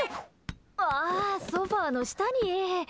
ああ、ソファの下に。